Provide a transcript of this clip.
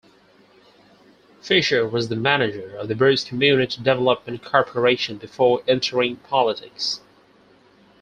Fisher was the manager of the Bruce Community Development Corporation before entering politics.